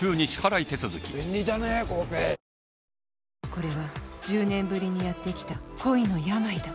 これは１０年ぶりにやってきた恋の病だ。